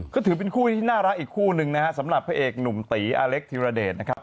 ก็ถือเป็นคู่ที่น่ารักอีกคู่หนึ่งนะฮะสำหรับพระเอกหนุ่มตีอาเล็กธิรเดชนะครับ